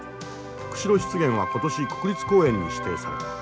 釧路湿原は今年国立公園に指定された。